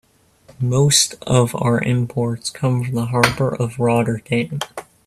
Most of our imports come from the harbor of Rotterdam.